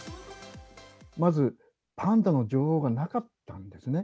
まず、パンダの情報がなかったんですね。